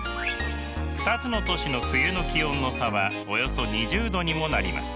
２つの都市の冬の気温の差はおよそ２０℃にもなります。